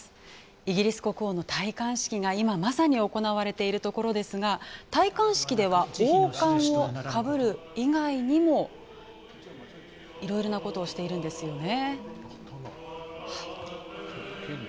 イギリス国王の戴冠式が今まさに行われているところですが戴冠式では王冠をかぶる以外にもいろいろなことをしているんですよね。